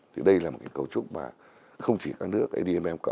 thì đây là một cái cấu trúc mà không chỉ các nước admm